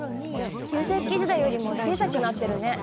旧石器時代よりも小さくなってるね。